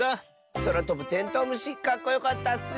そらとぶテントウムシかっこよかったッス！